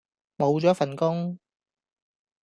無咗份工